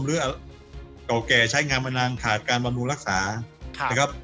หรือเก่าแก่ใช้งานมานานขาดการบำรุงรักษานะครับ